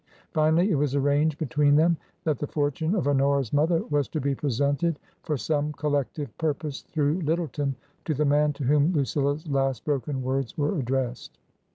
Finally it was arranged between them that the fortune of Honora's mother was to be presented for some collective purpose through Lyttleton to the man to whom Lucilla's last broken words were addressed.